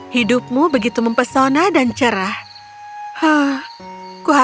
hidupmu begitu mempesona dan cerah